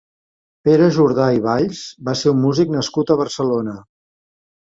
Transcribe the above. Pere Jordà i Valls va ser un músic nascut a Barcelona.